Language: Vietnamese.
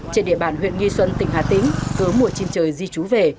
trên địa bàn huyện nghi xuân tỉnh hà tĩnh hứa mùa chim trời di trú về